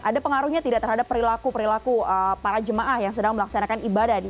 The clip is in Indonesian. ada pengaruhnya tidak terhadap perilaku perilaku para jemaah yang sedang melaksanakan ibadah